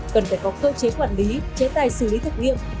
cần phải có cơ chế quản lý chế tài xử lý thực nghiệm